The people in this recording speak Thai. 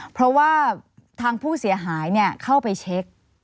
เพราะว่าทางผู้เสียหายเข้าไปเช็ค